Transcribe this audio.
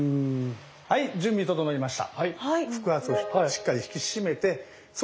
はい準備整いました！